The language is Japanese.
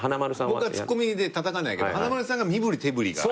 僕はツッコミでたたかないけど華丸さんが身ぶり手ぶりが。